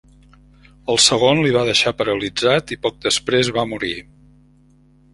El segon li va deixar paralitzat i poc després va morir.